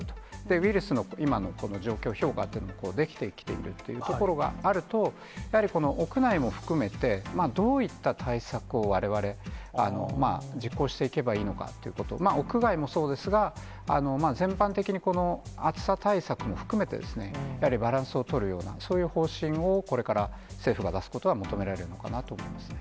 ウイルスの今の状況、評価というのもできてきているというところがあると、やはりこの屋内も含めて、どういった対策をわれわれ、実行していけばいいのかということ、屋外もそうですが、全般的にこの暑さ対策も含めて、やはりバランスを取るような、そういう方針を、これから政府が出すことが求められるのかなと思いますね。